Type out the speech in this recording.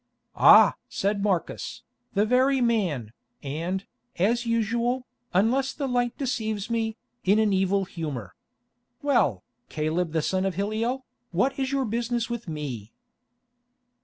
"Ah!" said Marcus, "the very man, and, as usual, unless the light deceives me, in an evil humour. Well, Caleb the son of Hilliel, what is your business with me?"